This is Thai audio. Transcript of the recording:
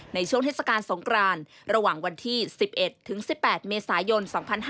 ในช่วงเทศกาลสงครานระหว่างวันที่๑๑ถึง๑๘เมษายน๒๕๕๙